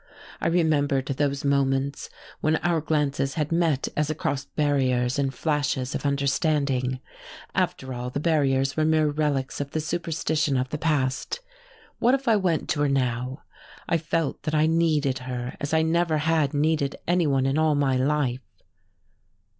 I remembered those moments when our glances had met as across barriers in flashes of understanding. After all, the barriers were mere relics of the superstition of the past. What if I went to her now? I felt that I needed her as I never had needed anyone in all my life....